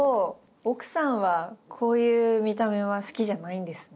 奥さんはこういう見た目は好きじゃないんですね。